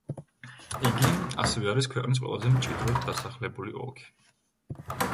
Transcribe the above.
იგი, ასევე, არის ქვეყნის ყველაზე მჭიდროდ დასახლებული ოლქი.